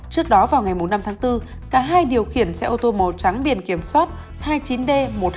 trước đó vào ngày bốn năm tháng bốn cả hai điều khiển xe ô tô màu trắng biển kiểm soát hai mươi chín d một mươi hai nghìn ba trăm một mươi hai